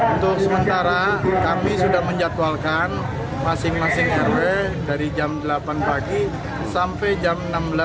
untuk sementara kami sudah menjatuhalkan masing masing rw dari jam delapan pagi sampai jam enam belas